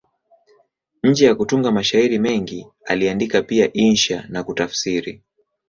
Nje ya kutunga mashairi mengi, aliandika pia insha na kutafsiri.